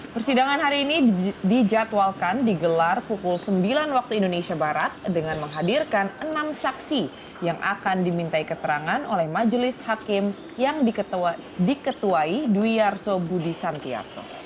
persidangan hari ini dijadwalkan digelar pukul sembilan waktu indonesia barat dengan menghadirkan enam saksi yang akan dimintai keterangan oleh majelis hakim yang diketuai dwi arso budi santiarto